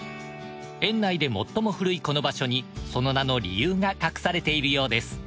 園内でもっとも古いこの場所にその名の理由が隠されているようです。